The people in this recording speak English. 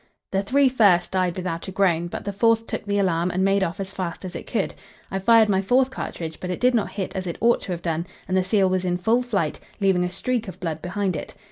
The three first died without a groan; but the fourth took the alarm, and made off as fast as it could. I fired my fourth cartridge, but it did not hit as it ought to have done, and the seal was in full flight, leaving a streak of blood behind it.